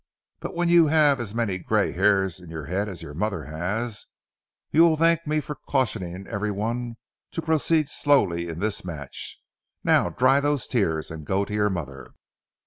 But when you have as many gray hairs in your head as your mother has, you'll thank me for cautioning every one to proceed slowly in this match. Now dry those tears and go to your mother."